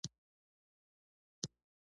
ویره د ناپېژندل شوي احساس ده.